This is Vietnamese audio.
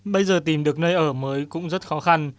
bây giờ tìm được nơi ở mới cũng rất khó khăn